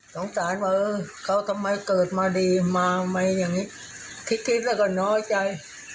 สงสารว่าเขาทำไมเกิดมาดีมามัยังงี้คิดแล้วก็น้อยใจ